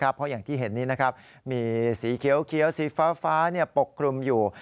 เพราะอย่างที่เห็นนี้มีสีเขียวสีฟ้าปกคลุมอยู่